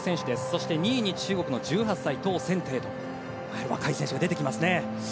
そして、２位に中国の１８歳トウ・センテイと若い選手が出てきますね。